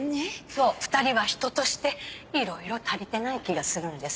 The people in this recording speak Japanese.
そう２人は人としていろいろ足りてない気がするんです。